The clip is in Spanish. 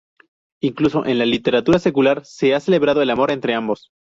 Incluso en la literatura secular se ha celebrado el amor entre ambos.